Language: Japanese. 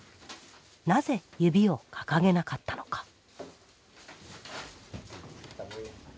なぜ指を掲げなかったのか。